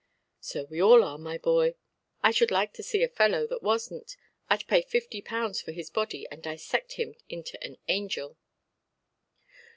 "So we are all, my boy. I should like to see a fellow that wasnʼt. Iʼd pay fifty pounds for his body, and dissect him into an angel".